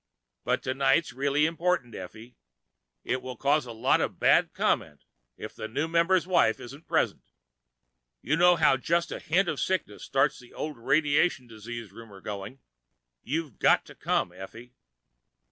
But tonight's really important, Effie. It will cause a lot of bad comment if the new member's wife isn't present. You know how just a hint of sickness starts the old radiation disease rumor going. You've got to come, Effie."